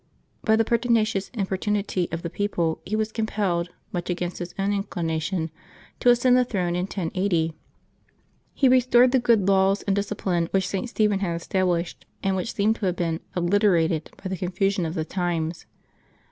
By the pertinacious importunity of the people he was compelled, much against his own inclina tion, to ascend the throne, in 1080. He restored the good laws and discipline which St. Stephen had established, and which seem to have been obliterated by the confusion of the times.